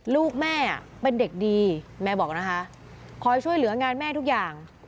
ลูกแม่เป็นเด็กดีแม่บอกนะคะคอยช่วยเหลืองานแม่ทุกอย่าง